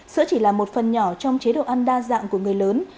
sữa chỉ là một phần nhỏ trong chế độ ăn đa dạng của người lớn